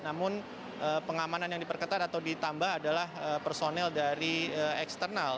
namun pengamanan yang diperketat atau ditambah adalah personel dari eksternal